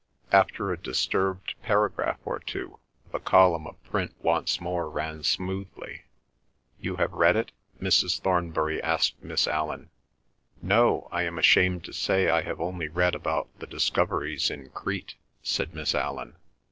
After a disturbed paragraph or two, the column of print once more ran smoothly. "You have read it?" Mrs. Thornbury asked Miss Allan. "No, I am ashamed to say I have only read about the discoveries in Crete," said Miss Allan.